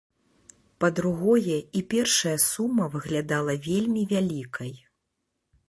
Па-другое, і першая сума выглядала вельмі вялікай.